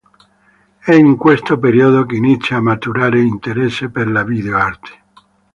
È in questo periodo che inizia a maturare interesse per la video arte.